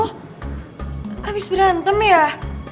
habis berantem ya